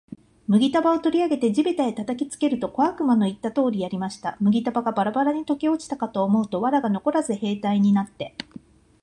麦束を取り上げて地べたへ叩きつけると、小悪魔の言った通りやりました。麦束がバラバラに解けて落ちたかと思うと、藁がのこらず兵隊になって、